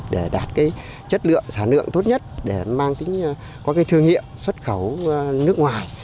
để đạt chất lượng sản lượng tốt nhất để có thương hiệu xuất khẩu nước ngoài